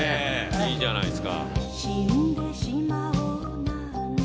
いいじゃないですか。